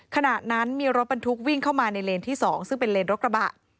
ขณะนั้นมีรถบรรทุกวิ่งเข้ามาในเลนที่๒ซึ่งเป็นเลนรถกระบะ